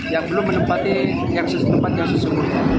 yang belum menempati yang sesempat yang sesungguhnya